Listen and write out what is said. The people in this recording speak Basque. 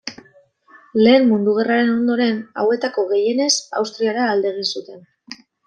Lehen Mundu Gerraren ondoren hauetako gehienez Austriara alde egin zuten.